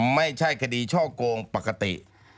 ไม่ใช่คดีช่อโกงปกติ